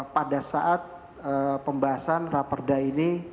pada saat pembahasan raperda ini